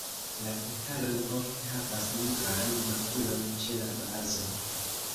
La petaloj ofte havas nigran makulon ĉe la bazo.